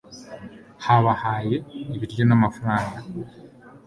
yabahaye ibiryo n'amafaranga